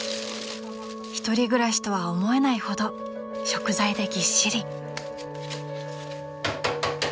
［１人暮らしとは思えないほど食材でぎっしり］